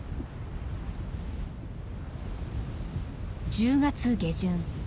１０月下旬。